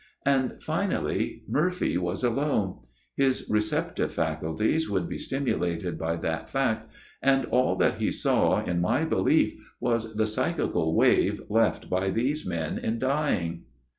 And finally, Murphy was alone ; his receptive faculties would be stimulated by that fact, and all that he saw, in my belief, was the psychical wave left by these men in dying."